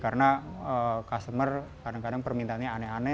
karena customer kadang kadang permintaannya aneh aneh